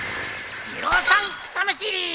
二郎さん草むしり！